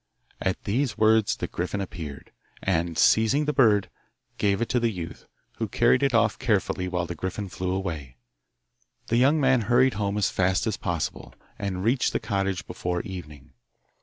At these words the griffin appeared, and, seizing the bird, gave it to the youth, who carried it off carefully, while the griffin flew away. The young man hurried home as fast as possible, and reached the cottage before evening.